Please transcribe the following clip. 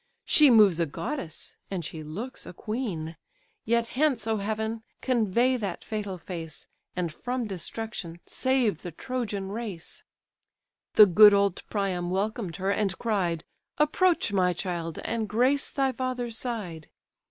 She moves a goddess, and she looks a queen! Yet hence, O Heaven, convey that fatal face, And from destruction save the Trojan race." The good old Priam welcomed her, and cried, "Approach, my child, and grace thy father's side.